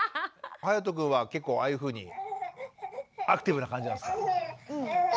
はやとくんは結構ああいうふうにアクティブな感じなんですか？